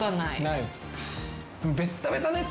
ないです。